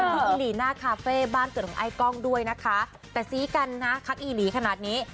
อีหลีหน้าคาเฟ่บ้านเกิดของไอ้กล้องด้วยนะคะแต่ซี้กันนะคักอีหลีขนาดนี้